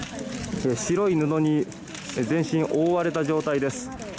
白い布に全身を覆われた状態です。